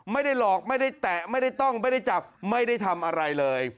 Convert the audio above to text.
ไม่ได้หลอกไม่ได้แตะไม่ได้ต้องไม่ได้จับไม่ได้ทำอะไรเลย